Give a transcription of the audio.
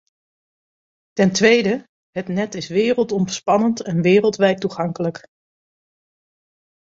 Ten tweede, het net is wereldomspannend en wereldwijd toegankelijk.